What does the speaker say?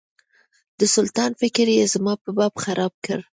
د سلطان فکر یې زما په باب خراب کړ.